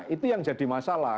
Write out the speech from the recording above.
itu yang jadi masalah